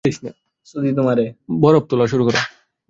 বরফ তোলা শুরু করো।